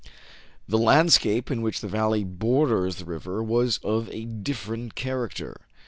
The landscape in the valley which borders the river was of a different character.